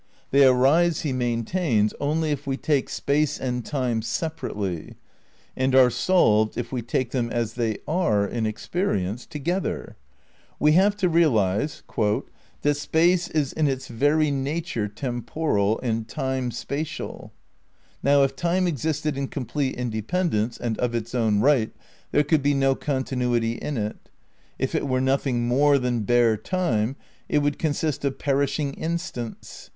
They arise, he maintains, only if we take Space and Time separately, and are solved if we take them, as they are in experience, together. We have to realise "that Space is in its very nature temporal and Time spatial." '"... Now if Time existed in complete independence and of its own right there could be no continuity in it. ... K it were noth ing more than bare Time it would consist of perishing instants.